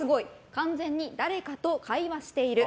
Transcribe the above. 完全に誰かと会話している。